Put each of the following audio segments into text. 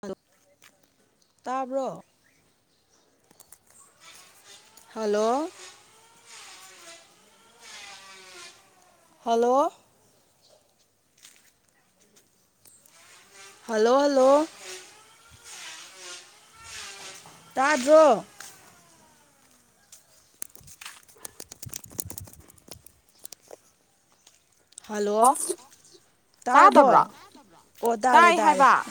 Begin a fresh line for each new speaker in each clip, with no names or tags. hello ꯇꯥꯕ꯭ꯔꯣ hello hello hello hello ꯇꯥꯖꯣ hello
ꯑꯣ
ꯇꯥꯔꯕꯣ
ꯇꯥꯗꯕ꯭ꯔꯣ
ꯑꯣ ꯇꯥꯔꯦ
ꯇꯥꯏ
ꯇꯥꯔꯦ
ꯍꯥꯏꯕ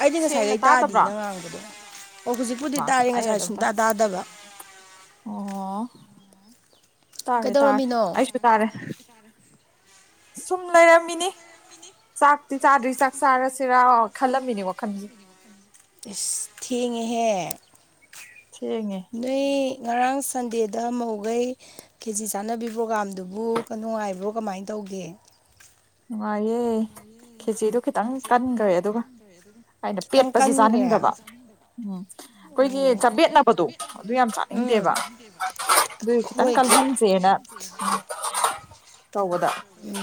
ꯑꯩꯗꯤ
ꯁꯦꯡꯅ
ꯉꯁꯥꯏꯗꯒꯤꯩ ꯇꯥꯗꯦ
ꯇꯥꯗꯕ꯭ꯔꯣ
ꯅ ꯉꯥꯡꯕꯗꯣ ꯑꯣ ꯍꯧꯖꯤꯛꯄꯨꯗꯤ
ꯃꯥ
ꯇꯥꯔꯤꯦ
ꯑꯩ
ꯉꯁꯥꯏ
ꯑꯗꯨꯝ
ꯁꯨꯡꯇꯥ
ꯇꯥꯏ
ꯇꯥꯗꯕ
ꯑꯣ ꯇꯥꯔꯦ ꯇꯥꯔꯦ
ꯀꯩꯗꯧꯔꯝꯃꯤꯅꯣ
ꯑꯩꯁꯨ ꯇꯥꯔꯦ ꯁꯨꯝ ꯂꯩꯔꯝꯃꯤꯅꯦ ꯆꯥꯛꯇꯤ ꯆꯥꯗ꯭ꯔꯤ ꯆꯥꯛ ꯆꯥꯔꯁꯤꯔ ꯈꯜꯂꯝꯃꯤꯅꯦ ꯋꯥꯈꯜꯁꯦ
ꯊꯤꯡꯍꯦꯛ
ꯊꯦꯡꯉꯦ
ꯅꯣꯏ ꯉꯔꯥꯡ ꯁꯟꯗꯦꯗ ꯃꯧꯈꯩ ꯀꯦꯖꯤ ꯆꯥꯅꯕꯤ ꯄ꯭ꯔꯣꯒꯥꯝꯗꯨꯕꯨ ꯅꯨꯡꯉꯥꯏꯕ꯭ꯔꯣ ꯀꯃꯥꯏꯅ ꯇꯧ ꯄꯨꯒꯦ
ꯃꯥꯑꯦ ꯈꯦꯆꯗꯨ ꯈꯤꯇꯪ ꯀꯟꯈ꯭ꯔꯦ ꯑꯗꯨꯒ ꯑꯩꯅ
ꯈꯤꯇꯪ
ꯄꯦꯠꯄꯁꯤ
ꯀꯟꯈ꯭ꯔꯦ
ꯆꯥꯅꯤꯡꯗꯕ
ꯑꯣ
ꯎꯝ ꯑꯩꯈꯣꯏꯒꯤ ꯆꯄꯦꯠꯅꯕꯗꯣ ꯑꯗꯨ ꯌꯥꯝ
ꯎꯝ
ꯆꯥꯅꯤꯡꯗꯦꯕ ꯑꯗꯨ ꯈꯤꯇꯪ
ꯍꯣꯏ
ꯀ
ꯈꯦ
ꯁꯗꯥ
ꯎꯝ
ꯇꯧꯕꯗ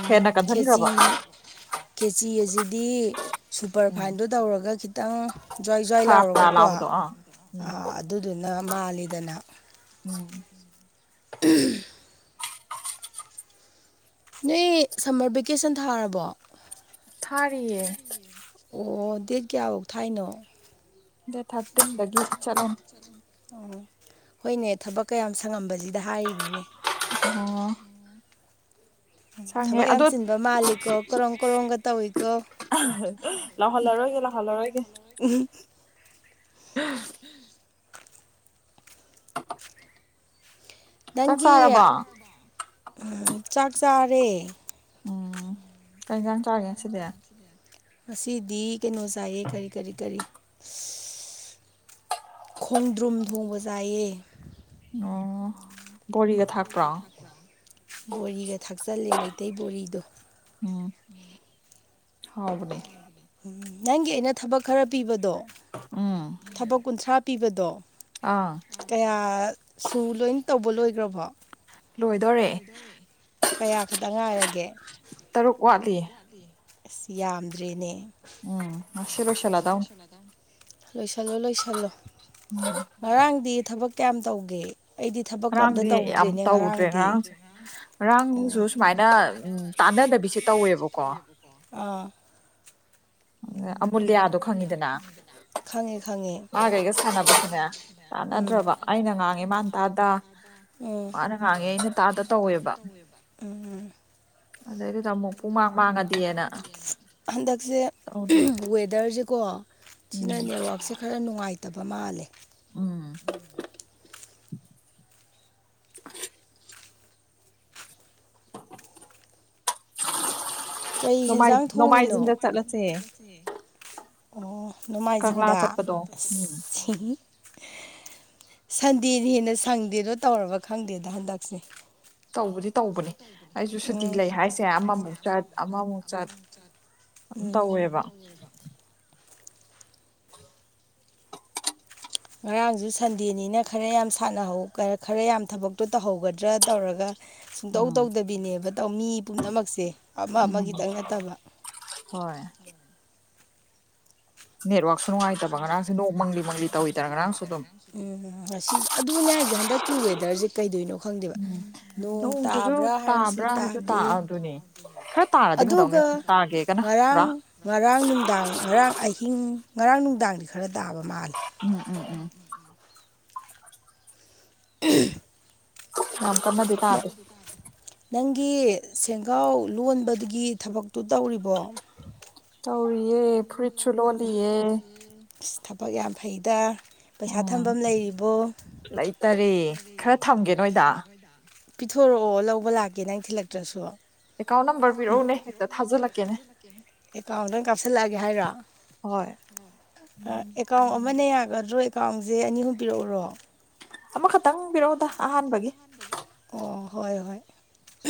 ꯍꯦꯟꯅ ꯀꯟꯁꯤꯟꯈ꯭ꯔꯕ
ꯈꯦꯆꯤ ꯈꯦꯆꯤ ꯑꯁꯤꯗꯤ
ꯎꯝ
ꯁꯨꯄꯔꯐꯥꯏꯟꯗꯣ ꯇꯧꯔꯒ ꯈꯤ ꯇ ꯖ꯭ꯋꯥꯏ ꯖ꯭ꯋꯥꯏ
ꯐꯔꯥ ꯐꯔꯥ
ꯂꯥꯎꯔꯒꯀꯣ
ꯂꯥꯎꯕꯗꯣ ꯑꯥ ꯎꯝ
ꯑꯗꯨꯗꯨꯅ ꯃꯥꯜꯂꯤꯗꯅ
ꯎꯝ
ꯎꯝ ꯅꯣꯏ ꯁꯝꯃꯔ ꯚꯦꯀꯦꯁꯟ ꯊꯥꯔꯕꯣ
ꯊꯥꯔꯤꯌꯦ
ꯑꯣ ꯗꯦꯠ ꯀꯌꯥꯕꯨꯛ ꯊꯥꯏꯅꯣ
ꯗ ꯊꯔꯇ ꯒ ꯆꯠꯂꯅꯤ
ꯎ ꯍꯣꯏꯅꯦ ꯊꯕꯛ ꯀꯌꯥꯝ ꯁꯪꯉꯝꯕꯁꯤꯗ ꯍꯥꯏꯔꯤꯅꯤꯅꯦ
ꯑꯣ ꯁꯪꯉꯦ
ꯊꯕꯛ ꯌꯥꯝ
ꯑꯗꯣ
ꯆꯤꯟꯕ ꯃꯥꯜꯂꯤꯀꯣ ꯀꯔꯣꯝ ꯀꯔꯣꯡꯝꯒ ꯇꯧꯏꯀꯣ
ꯂꯥꯎꯍꯜꯂꯔꯣꯏꯒꯦ ꯂꯥꯎꯍꯜꯂꯔꯣꯏꯒꯦ
[inaudible]
ꯆꯥꯛ
ꯅꯪꯒꯤ
ꯆꯥꯔꯕꯣ
ꯆꯥꯛ ꯆꯥꯔꯦ
ꯎꯝ ꯀꯩꯟꯖꯥꯡ ꯆꯥꯒꯦ ꯁꯤꯗꯤ
ꯉꯗꯤ ꯀꯩꯅꯣ ꯆꯥꯏꯌꯦ ꯀꯔꯤ ꯀꯔꯤ ꯀꯔꯤ ꯈꯣꯡꯗ꯭ꯔꯨꯝ ꯊꯣꯡꯕ ꯆꯥꯏꯌꯦ
ꯑꯣ ꯕꯣꯔꯤꯒ ꯊꯥꯛꯄ꯭ꯔꯣ
ꯕꯣꯔꯤꯒ ꯊꯥꯛꯆꯜꯂꯦ ꯃꯩꯇꯩ ꯕꯣꯔꯤꯗꯣ
ꯎꯝ ꯍꯥꯎꯕꯅꯦ
ꯎ ꯅꯪꯒꯤ ꯑꯩꯅ ꯊꯕꯛ ꯈꯔ ꯄꯤꯕꯗꯣ
ꯎꯝ
ꯊꯕꯛ ꯀꯨꯟꯊ꯭ꯔꯥ ꯄꯤꯕꯗꯣ
ꯑꯥ
ꯀꯌꯥ ꯁꯨ ꯂꯣꯏ ꯇꯧꯕ ꯂꯣꯏꯈ꯭ꯔꯕꯣ
ꯂꯣꯏꯗꯣꯔꯦ
ꯀꯌꯥ ꯈꯛꯇ ꯉꯥꯏꯔꯒꯦ
ꯇꯔꯨꯛ ꯋꯥꯠꯂꯤ
ꯑꯁ ꯌꯥꯝꯗ꯭ꯔꯦꯅꯦ
ꯎꯝ ꯉꯁꯤ ꯂꯣꯏꯁꯤꯜꯂꯗꯧꯅꯤ
ꯂꯣꯏꯁꯤꯜꯂꯣ ꯂꯣꯏꯁꯤꯜꯂꯣ ꯉꯔꯥꯡꯗꯤ ꯊꯕꯛ ꯀꯌꯥꯝ ꯇꯧꯒꯦ ꯑꯩꯗꯤ ꯊꯕꯛ ꯑꯝꯇ
ꯉꯔꯥꯡꯗꯤ ꯌꯥꯝ
ꯇꯧꯗ꯭ꯔꯦꯅꯦ
ꯇꯧꯗ꯭ꯔꯦ
ꯉꯔꯥꯡꯗꯤ
ꯉꯔꯥꯡꯁꯦ ꯉꯔꯥꯡꯁꯨ ꯁꯨꯃꯥꯏꯅ ꯇꯥꯟꯅꯗꯕꯤꯁꯦ ꯇꯧꯋꯦꯕꯀꯣ
ꯑꯥ
ꯑꯃꯨꯂ ꯑ ꯑꯗꯨ
ꯈꯉꯦ ꯈꯉꯦ
ꯆꯥꯟꯅꯗ꯭ꯔꯕ ꯑꯩꯅ ꯉꯥꯡꯉꯤꯃꯥꯟꯇꯥꯗ
ꯎꯝ
ꯋꯥꯅ ꯉꯥꯡꯉꯦ ꯑꯩꯅ ꯇꯥꯗ ꯇꯧꯋꯦꯕ
ꯎꯝ
ꯑꯗꯩꯗꯨꯗ ꯑꯃꯨꯛ ꯄꯨꯡꯃꯥꯡ ꯃꯥꯡꯉꯗꯤꯅ
ꯍꯟꯗꯛꯁꯦ
ꯇꯧꯗ꯭ꯔꯦ
ꯋꯦꯥ ꯗꯔꯁꯦꯀꯣ
ꯎꯝ
ꯁꯤꯅ ꯅꯦꯠꯋꯥꯛꯁꯦ ꯈꯔ ꯅꯨꯡꯉꯥꯏꯇꯕ ꯃꯥꯜꯂꯦ [inaudible]
ꯎꯝ [inaudible] [inaudible]
ꯀꯩ
ꯅꯣꯡꯃꯥꯏ
ꯌꯦꯟꯖꯥꯡ ꯊꯣꯡꯉꯤꯅꯣ
ꯅꯣꯡꯃꯥꯏꯖꯤꯡꯗ ꯆꯠꯂꯁꯦ
ꯑꯣ
ꯀꯪꯂꯥ
ꯅꯣꯡꯃꯥꯏꯖꯤꯡꯗ
ꯆꯠꯄꯗꯣ ꯎꯝ
ꯏꯁ ꯁꯟꯗꯦꯅ ꯍꯦꯟꯅ ꯁꯪꯗꯦꯅꯣ ꯇꯧꯔꯕ ꯈꯪꯗꯦꯗ ꯍꯟꯗꯛꯁꯦ
ꯇꯧꯕꯗꯤ ꯇꯧꯕꯅꯦ
ꯁꯨꯇꯤ ꯂꯩ ꯍꯥꯏꯁꯦ ꯑꯃꯃꯨꯛ ꯆꯠ ꯑꯃꯃꯨꯛ ꯆꯠ
ꯑꯗꯨ ꯇꯧꯋꯦꯕ
ꯉꯔꯥꯡꯁꯨ ꯁꯟꯗꯦꯅꯤꯅ ꯈꯔ ꯌꯥꯝ ꯁꯥꯟꯅꯍꯧ ꯈꯔ ꯌꯥꯝ ꯊꯕꯛꯇꯣ ꯇꯧꯍꯧꯒꯗ꯭ꯔꯥ ꯇꯧꯔꯒ ꯁꯨꯡꯇꯧ
ꯎꯝ
ꯇꯧꯗꯕꯤꯅꯦꯕ ꯇꯧ ꯃꯤ ꯄꯨꯝꯅꯃꯛꯁꯦ ꯑꯃ
ꯎꯝ
ꯑꯃꯒꯤꯇꯪ ꯅꯠꯇꯕ
ꯍꯣꯏ ꯅꯦꯠꯋꯥꯛꯁꯨ ꯅꯨꯡꯉꯥꯏꯇꯕ ꯉꯔꯥꯡꯁꯦ ꯅꯣꯡ ꯃꯪꯂꯤ ꯃꯪꯂꯤ ꯇꯧꯋꯤꯗꯅ ꯉꯔꯥꯡꯁꯨ ꯑꯗꯨꯝ
ꯎꯝ ꯑꯁꯤ ꯑꯗꯨꯕꯨꯅꯦ ꯍꯥꯏꯁꯦ ꯍꯟꯗꯛ ꯀ ꯋꯦꯗꯁꯦ ꯀꯩꯗꯣꯏꯅꯣ ꯈꯪꯗꯦꯕ
ꯎꯝ
ꯅꯣꯡ
ꯅꯣꯡꯁꯤꯁꯨ
ꯇꯥꯕ꯭ꯔꯥ ꯍꯥꯏꯔꯁꯨ
ꯇꯥꯕ꯭ꯔꯥ ꯍꯥꯏꯁꯨ
ꯇꯥꯗꯦ
ꯇꯥꯗꯨꯅꯦ ꯈꯔ ꯇꯥꯔꯗꯤ ꯐꯗꯧꯅꯦ
ꯑꯗꯨꯒ
ꯇꯥꯒꯦꯒꯅ
ꯉꯔꯥꯡ
ꯄꯨꯔꯥ
ꯉꯔꯥꯡ ꯅꯨꯡꯗꯥꯡ ꯉꯔꯥꯡ ꯑꯍꯤꯡ ꯉꯔꯥꯡ ꯅꯨꯡꯗꯥꯡꯗꯤ ꯈꯔ ꯇꯥꯕ ꯃꯥꯜꯂꯦ
ꯎꯝ ꯎꯝ ꯎꯝ
[unintelligible] [inaudible]
ꯌꯥꯝꯝ ꯀꯅꯥꯗꯤ ꯇꯥꯗ
ꯅꯪꯒꯤ ꯁꯦꯡꯒꯥꯎ ꯂꯣꯟꯕꯒꯤ ꯊꯕꯛꯇꯨ ꯇꯧꯔꯤꯕꯣ
ꯇꯧꯔꯤꯌꯦ ꯐꯨꯔꯤꯠꯁꯨ ꯂꯣꯜꯂꯤꯌꯦ
ꯊꯕꯛ ꯌꯥꯝ ꯐꯩꯗ ꯄꯩꯁꯥ
ꯎꯝ
ꯊꯐꯝ ꯂꯩꯔꯤꯕꯣ
ꯂꯩꯇꯔꯦ ꯈꯔ ꯊꯝꯒꯦ ꯅꯣꯏꯗ
ꯄꯤꯊꯣꯔꯛꯑꯣ ꯂꯧꯕ ꯂꯥꯛꯀꯦ ꯅꯪ ꯊꯤꯜꯂꯛꯇ꯭ꯔꯁꯨ
ꯑꯦꯀꯥꯎꯟ ꯅꯝꯕꯔ ꯄꯤꯔꯛꯎꯅꯦ ꯍꯦꯛꯇ ꯊꯥꯖꯤꯜꯂꯛꯀꯦꯅꯦ
ꯑꯦꯀꯥꯎꯟꯗꯪ ꯀꯥꯞꯁꯤꯜꯂꯛꯑꯒꯦ ꯍꯥꯏꯔꯣ
ꯍꯣꯏ
ꯑꯦꯀꯥꯎꯟ ꯑꯃꯅ ꯌꯥꯒꯗ꯭ꯔꯣ ꯑꯦꯀꯥꯎꯟꯁꯦ ꯑꯅꯤꯍꯨꯝ ꯄꯤꯔꯛꯎꯔꯣ
ꯑꯃꯈꯛꯇꯪ ꯄꯤꯔꯛꯑꯣꯗ ꯑꯍꯥꯟꯕꯒꯤ
ꯑꯣ ꯍꯣꯏ ꯍꯣꯏ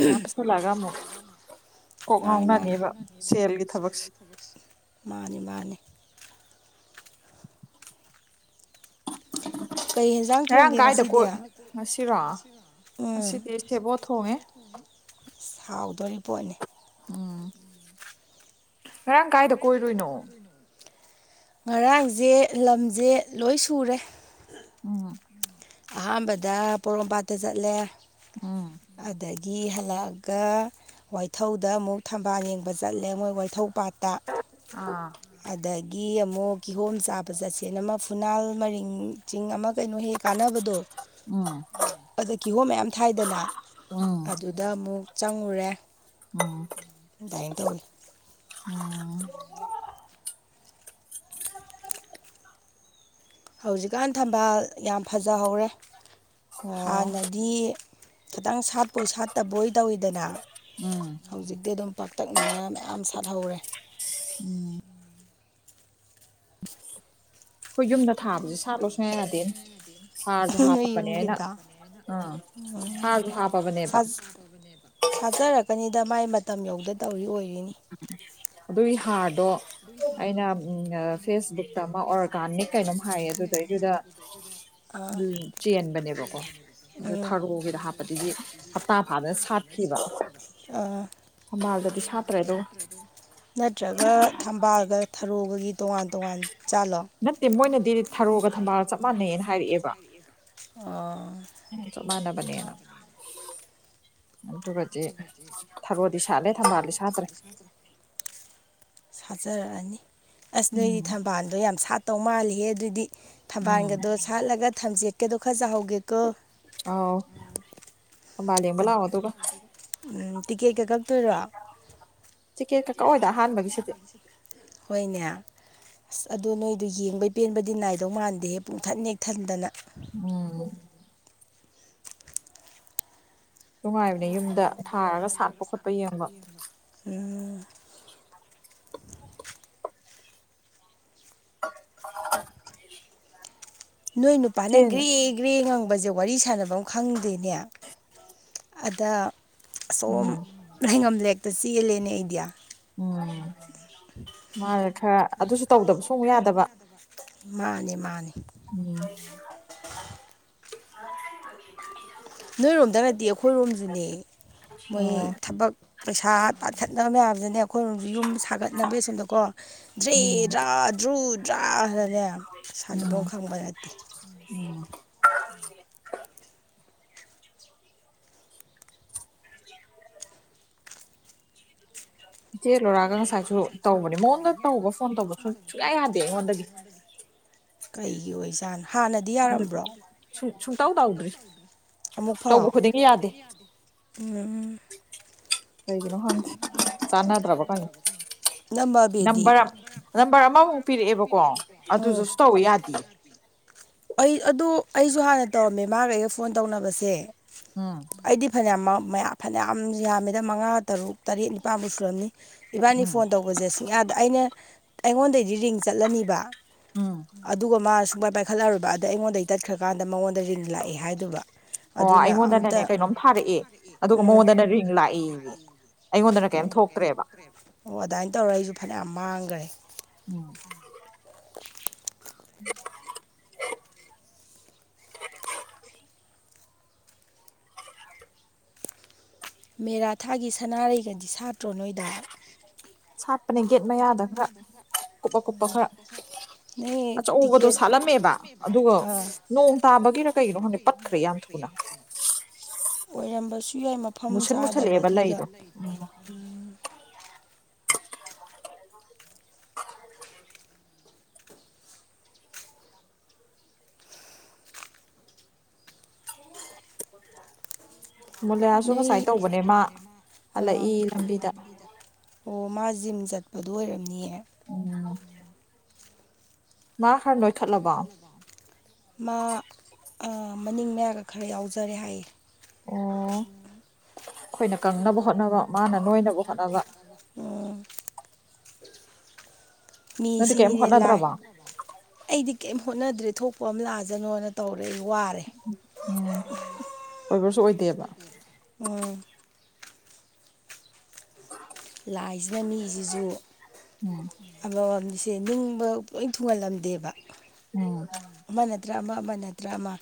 ꯌꯥ ꯄꯁꯂꯒꯃꯣ
ꯃꯥꯅꯤ ꯃꯥꯅꯤ ꯃꯥꯅꯤ ꯃꯥꯅꯤ ꯀꯩ ꯌꯦꯟꯖꯥꯡ
ꯉꯔꯥꯡ
ꯊꯣꯡꯒꯦ
ꯀꯥꯏꯗ
ꯉꯁꯤꯗꯤ
ꯀꯣꯏ ꯉꯁꯤꯔꯣ
ꯎꯝ
ꯉꯁꯤꯗꯤ ꯁꯦꯕꯣꯠ ꯊꯣꯡꯉꯦ
ꯁꯥꯎꯗꯣꯔꯤꯕ ꯄꯣꯠꯅꯤ
ꯎꯝ ꯉꯔꯥꯡ ꯀꯥꯏꯗ ꯀꯣꯏꯔꯣꯏꯅꯣ
ꯉꯔꯥꯡꯁꯦ ꯂꯝꯁꯦ ꯂꯣꯏ ꯁꯨꯔꯦ
ꯎꯝ
ꯑꯍꯥꯟꯕꯗ ꯄꯣꯔꯣꯝꯄꯥꯠꯇ ꯆꯠꯂꯦ
ꯎꯃ
ꯒꯤ ꯍꯜꯂꯛꯑꯒ ꯋꯥꯏꯊꯧꯗ ꯑꯃꯨꯛ ꯊꯝꯕꯥꯜ ꯌꯦꯡꯕ ꯆꯠꯂꯦ ꯃꯣꯏ ꯋꯥꯏꯊꯧ ꯄꯥꯠ ꯇꯥꯛ
ꯑꯥ
ꯑꯗ ꯒꯤ ꯑꯃꯨꯛ ꯀꯤꯍꯣꯝ ꯆꯥꯕ ꯆꯠꯁꯦꯟ ꯑꯃ ꯐꯨꯅꯥꯜ ꯃꯔꯤꯡ ꯆꯤꯡ ꯑꯃ ꯀꯩꯅꯣ ꯍꯦꯛ ꯑꯗꯣ
ꯎꯝ
ꯑꯗ ꯀꯤꯍꯣꯝ ꯃꯌꯥꯝ ꯊꯥꯏꯗꯅ
ꯎꯝ
ꯑꯗꯨꯗ ꯑꯃꯨꯛ ꯆꯪꯉꯨꯔꯦ ꯑꯗꯨꯃꯥꯏꯅ ꯇꯧꯋꯤ
ꯎꯝ
ꯍꯧꯖꯤꯛꯀꯥꯟ ꯊꯝꯕꯥꯜ ꯌꯥꯝ ꯐꯖꯍꯧꯔꯦ
ꯑꯣ
ꯍꯥꯟꯅꯗꯤ ꯈꯤꯇꯪ ꯁꯥꯠꯄꯣꯏ ꯁꯥꯠꯇꯕꯣꯏ ꯇꯧꯋꯤꯗꯅ
ꯎꯝ
ꯍꯧꯖꯤꯛꯇꯤ ꯑꯗꯨꯝ ꯄꯥꯛꯇꯛꯅꯅ ꯃꯌꯥꯝ ꯊꯥꯠꯍꯧꯔꯦ
ꯎꯝ [unintelligible] ꯊꯥꯕꯁꯦ ꯁꯥꯠꯂꯣ ꯁꯨꯡꯌꯥ ꯌꯥꯗꯦꯅꯦ ꯍꯥꯔꯁꯨ ꯍꯥꯞꯄꯕꯅꯦ ꯑꯩꯅ
ꯌꯟꯒꯤꯗ
ꯑꯥ
ꯎ
ꯍꯥꯔꯁꯨ
ꯆ
ꯍꯥꯞꯄꯕꯅꯦꯕ
ꯆꯥꯖꯔ ꯀꯀꯅꯤꯗ ꯃꯥꯏ ꯃꯇꯝ ꯌꯧꯗ ꯇꯧꯔꯤ ꯑꯣꯏꯔꯤꯅꯤ
ꯑꯗꯣ ꯑꯩꯅ ꯐꯦꯁꯕꯨꯛꯇ ꯑꯃ ꯑꯣꯔꯒꯥꯅꯤꯛ ꯀꯩꯅꯣꯝ ꯍꯥꯏꯌꯦ ꯑꯗꯨꯗꯩꯗꯨꯗ ꯎꯝ ꯆꯦꯟꯕꯅꯦꯕꯀꯣ ꯑꯗ
ꯎꯝ
ꯊꯔꯣꯒꯤꯗ ꯍꯥꯞꯄꯗꯒꯤ ꯍꯞꯇꯥ ꯐꯥꯗ
ꯑꯥ
ꯊꯝꯕꯥꯜꯒꯗꯤ ꯁꯥꯠ
ꯅꯠꯇ꯭ꯔꯒ ꯊꯝꯕꯥꯜꯒ ꯊꯔꯣꯒꯒꯤ ꯇꯣꯉꯥꯟ ꯇꯣꯉꯥꯟ ꯖꯥꯠꯂꯣ
ꯅꯠꯇꯦ ꯃꯣꯏꯅꯗꯤ ꯊꯔꯣꯒ ꯊꯝꯕꯥꯜꯒ ꯆꯞ ꯃꯥꯟꯅꯩꯅ ꯍꯥꯏꯔꯛꯑꯦꯕ
ꯑꯣ,
ꯁꯃꯥꯟꯅꯕꯅꯦꯅ ꯑꯗꯨꯒꯥ
ꯑꯗꯨꯕꯗꯤ ꯊꯕꯗꯤ ꯁꯗꯦ
ꯁꯥꯠꯇ꯭ꯔꯦ
ꯊꯝꯗꯁꯖꯤ ꯍꯥꯥꯆꯔꯛꯑꯅꯤ ꯑꯁ ꯅꯣꯏꯗꯤ ꯊꯝꯕꯥꯜꯗꯣ ꯌꯥꯝ ꯁꯥꯠꯇꯧ ꯃꯥꯜꯂꯤꯍꯦ ꯑꯗꯨꯏꯗꯤ
ꯎꯝ
ꯊꯝꯕꯥꯜꯒꯗꯣ ꯁꯥꯠꯂꯒ ꯊꯝꯖꯦꯠꯀꯦꯗꯣ ꯈꯔ ꯆꯍꯧꯒꯦꯀꯣ
ꯍꯕꯥꯂꯤꯌꯥꯕꯂꯑꯣ ꯇꯒ
ꯇꯤꯀꯦ ꯀꯒ ꯇꯣꯏꯔꯣ
ꯇꯤꯀꯦꯠ ꯀ ꯀꯛꯑꯣꯏꯗ ꯑꯍꯥꯟꯕꯒꯤꯁꯤꯗꯤ
ꯍꯣꯏꯅꯦ ꯑꯁ ꯑꯗꯨ ꯅꯣꯏꯗꯨ ꯌꯦꯡꯕꯩ ꯄꯦꯟꯕꯗꯤ ꯅꯥꯏꯗꯧ ꯃꯥꯟꯗꯦꯍꯦ ꯄꯨꯡꯊꯠ ꯅꯦꯛꯊꯟꯗꯅ
ꯑꯣ ꯅꯨꯡꯉꯥꯏꯕꯅꯦ ꯌꯨꯝꯗ ꯊꯥꯔꯒ ꯁꯥꯠꯄ ꯈꯣꯠꯄ ꯌꯦꯡꯕ
ꯎꯝ
[unintelligible]
ꯅꯣꯏ ꯅꯨꯄꯥ
ꯆꯦꯟ
ꯅꯪꯒ꯭ꯔꯦ ꯒ꯭ꯔꯦ ꯉꯉ ꯕꯁꯦ ꯋꯥꯔꯤ ꯁꯥꯟꯅꯕ ꯑꯃ ꯈꯪꯗꯦꯅꯦ ꯑꯗ ꯑꯁꯣꯝ
ꯎꯝ
ꯍꯩꯉꯝꯂꯦꯛꯇ ꯆꯦꯜꯂꯦꯅꯦ ꯑꯩꯗꯤ
ꯎꯝ ꯃꯥꯅꯦꯦ ꯈꯔ ꯑꯗꯨꯁꯨ ꯇꯧꯗꯕ ꯁꯨꯡ ꯌꯥꯗꯕ
ꯃꯥꯅꯤ ꯃꯥꯅꯤ
ꯑꯣ
ꯅꯣꯏꯔꯣꯝꯗꯒꯗꯤ ꯑꯩꯈꯣꯏꯔꯣꯝꯁꯨꯅꯦ ꯃꯣꯏ ꯊꯕꯛ ꯄꯩꯁꯥ ꯇꯥꯈꯠꯅꯕ ꯃꯌꯥꯝ ꯑꯩꯈꯣꯏꯣꯝ ꯌꯨꯝ ꯁꯥꯒꯠꯅꯕꯒꯤꯁꯣꯝꯗꯀꯣ ꯗ꯭ꯔꯦ
ꯎꯝ
ꯗ꯭ꯔꯥ ꯗ꯭ꯔꯨꯗ꯭ꯔꯥ ꯍꯥꯏꯔꯅꯦ ꯁꯥꯟꯗꯧ
ꯎꯝ
ꯈꯪꯕ ꯌꯥꯗꯦ
[inaudible] [inaudible] ꯏꯆꯦ ꯂꯣꯏꯔꯛꯑꯒ ꯉꯁꯥꯏꯁꯨ ꯇꯧꯕꯅꯦ ꯃꯉꯣꯟꯗ ꯇꯧꯕ ꯐꯣꯟ ꯇꯧꯕꯁꯨ ꯁꯨꯌꯥ ꯌꯥꯗꯦ ꯑꯩꯉꯣꯟꯗꯒꯤ
ꯀꯩꯒꯤ ꯑꯣꯏꯖꯥꯠꯅꯣ ꯍꯥꯟꯅꯗꯤ ꯌꯥꯔꯝꯕ꯭ꯔꯣ
ꯁꯨꯡ ꯁꯨꯡꯇꯧ ꯇꯧꯗ꯭ꯔꯤ
ꯑꯃꯨꯛ
ꯇꯧꯕ
ꯐꯥꯎ
ꯈꯨꯗꯤꯡꯒꯤ ꯌꯥꯗꯦ
ꯎꯝ
ꯀꯩꯒꯤꯅꯣ ꯍꯪ ꯆꯥꯟꯅꯗ꯭ꯔꯕ ꯀꯪ
ꯅꯝꯕ ꯑꯕꯦꯗꯤ
ꯅꯝꯕꯔ ꯅꯝꯕꯔ ꯑꯃꯃꯨꯛ ꯄꯤꯔꯛꯑꯦꯕꯀꯣ ꯑꯗꯨꯗꯨꯁꯨ
ꯎꯝ
ꯇꯧꯕ ꯌꯥꯗꯦ
ꯑꯩ ꯑꯗꯨ ꯑꯩꯁꯨ ꯍꯥꯟꯅ ꯇꯧꯔꯝꯃꯦ ꯃꯥꯒꯩꯒ ꯐꯣꯟ ꯇꯧꯅꯕꯁꯦ
ꯎꯝ
ꯑꯩꯗꯤ ꯐꯅꯌꯥꯝ ꯐꯅꯌꯥꯝ ꯌꯥꯝꯃꯤꯗ ꯃꯉꯥ ꯇꯔꯨꯛ ꯇꯔꯦꯠ ꯅꯤꯄꯥꯜꯃꯨꯛ ꯁꯨꯔꯝꯅꯤ ꯏꯕꯥꯅꯤ
ꯎꯝ
ꯐꯣꯟ ꯇꯧꯕꯁꯦ ꯁꯨꯡꯌꯥꯗ ꯑꯩꯅ ꯑꯩꯉꯣꯟꯗꯩꯗꯤ ꯔꯤꯡ ꯆꯠꯂꯅꯤꯕ
ꯎꯝ
ꯑꯗꯨꯒ ꯃꯥꯅ ꯁꯨꯡꯃꯥꯏ ꯄꯥꯏꯈꯠꯂꯔꯨꯕ ꯑꯗꯩ ꯑꯩꯉꯣꯟꯗꯒꯤ ꯇꯠꯈ꯭ꯔꯀꯥꯟꯗ ꯃꯉꯣꯟꯗ ꯔꯤꯟ ꯂꯥꯛꯑꯦ ꯍꯥꯏꯗꯨꯕ
ꯑꯣ ꯑꯩꯉꯣꯟꯗꯅꯅꯦ ꯀꯩꯅꯣꯝ ꯊꯥꯔꯛꯑꯦ ꯑꯗꯨꯒ
ꯎꯝ
ꯃꯉꯣꯟꯗꯅꯦ ꯔꯤꯡ ꯂꯥꯛꯏ
ꯑꯣ ꯑꯗꯨꯃꯥꯏꯅ ꯇꯧꯔ ꯑꯩꯁꯨ ꯐꯅꯌꯥꯝ ꯃꯥꯡꯈ꯭ꯔꯦ
ꯎꯝ
[unintelligible] ꯃꯦꯔꯥꯊꯥꯒꯤ ꯁꯅꯥꯔꯩꯒꯗꯤ ꯁꯥꯇ꯭ꯔꯣ ꯅꯣꯏꯗ
ꯁꯥꯠꯄꯅꯦ ꯒꯦꯠ ꯃꯌꯥꯗ ꯈꯔ ꯀꯨꯞꯄ ꯀꯨꯞꯄ ꯈꯔ
ꯅꯣꯏ
ꯑꯆꯧꯕꯗꯣ
ꯇꯤꯀꯦꯠ
ꯁꯥꯠꯂꯝꯃꯦꯕ ꯑꯗꯨꯒ
ꯑꯥ
ꯅꯣꯡ ꯇꯥꯕꯒꯤ ꯀꯩꯅ ꯀꯩꯒꯤꯅꯣ ꯈꯪꯗꯦ ꯄꯠꯈ꯭ꯔꯦ ꯌꯥꯝ ꯊꯨꯅ
ꯑꯣꯏꯔꯝꯕꯁꯨ ꯁꯨ ꯌꯥꯏ ꯃꯐꯝ
ꯃꯨꯁꯟ ꯃꯨꯁꯜꯂꯛꯑꯦꯕ
ꯆꯥꯗꯕꯒꯤꯒ
ꯂꯩꯗꯣ
ꯎꯝ
ꯃꯨꯂꯌꯥꯁꯨ ꯉꯁꯥꯏ ꯇꯧꯕꯅꯦ ꯃꯥ
ꯑ
ꯍꯜꯂꯛꯏ ꯂꯝꯕꯤꯗ
ꯑꯣ ꯃꯥ ꯖꯤꯝ ꯆꯠꯄꯗꯨ ꯑꯣꯏꯔꯝꯅꯤꯑ
ꯑꯣ ꯑꯣ
ꯃ ꯃꯅꯤꯡ ꯃꯌꯥꯒ ꯈꯔ ꯌꯥꯎꯖꯔꯦ ꯍꯥꯏꯌꯦ
ꯑꯩꯈꯣꯏꯅ ꯀꯪꯅꯕ ꯍꯣꯠꯅꯕ ꯃꯥꯅ ꯅꯣꯏꯅꯕ ꯍꯣꯠꯅꯕ
ꯎꯝ ꯃꯤ
ꯅꯣꯏꯗꯤ ꯀꯩꯝ
ꯁꯤꯅꯤꯅꯦ ꯂꯥꯏ
ꯍꯣꯠꯅꯗ꯭ꯔꯕꯣ
ꯑꯩꯗꯤ ꯀꯔꯤꯝ ꯍꯣꯠꯅꯗ꯭ꯔꯦ ꯊꯣꯛꯄ ꯑꯃ ꯂꯥꯛꯑꯖꯅꯣꯅ ꯇꯧꯔꯦ ꯀ ꯋꯥꯨꯔꯦ
ꯑꯣꯏꯕꯁꯨ ꯑꯣꯏꯗꯦꯕ
ꯎꯝ
[inaudible]
ꯂꯥꯏꯁꯤꯅ ꯃꯤꯁꯤꯁꯨ
ꯎꯝ
ꯑꯝꯅꯤ ꯁꯦ ꯅꯤꯡꯕ ꯂꯣꯏ ꯊꯨꯡꯍꯜꯂꯝꯗꯦꯕ
ꯎꯝ
ꯑꯃ ꯅꯠꯇ꯭ꯔ ꯑꯃ ꯑꯃ ꯅ꯭ꯔ ꯗ꯭ꯔꯃꯥ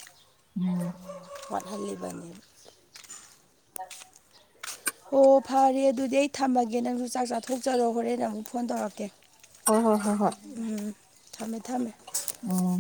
ꯋꯥꯠꯍꯜꯂꯤꯕꯅꯤ
[inaudible]
ꯑꯣ ꯐꯔꯦ ꯑꯗꯨꯗꯤ ꯑꯩ ꯊꯝꯃꯒꯦ ꯅꯪꯁꯨ ꯆꯥꯛ ꯆꯥꯊꯣꯛꯆꯔꯣ ꯍꯣꯔꯦꯟꯅ ꯑꯃꯨꯛ ꯐꯣꯟ ꯇꯧꯔꯛꯀꯦ
ꯍꯣꯏ ꯍꯣꯏ ꯍꯣꯏ
ꯎꯝ ꯊꯝꯃꯦ ꯊꯝꯃꯦ
ꯑꯣ